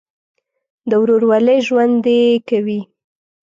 د ورورولۍ ژوند دې کوي.